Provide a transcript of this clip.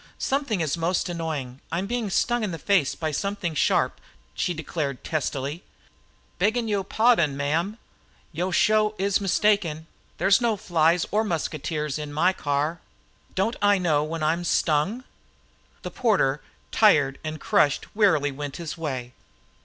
"Something is most annoying. I am being stung in the face by something sharp," she declared testily. "Beggin' yo pahdon, ma'am, yo sho is mistaken. There's no flies or muskeeters in my car." "Don't I know when I'm stung?" The porter, tired and crushed, wearily went his way.